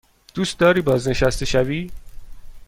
دوست داری بازنشسته شوی؟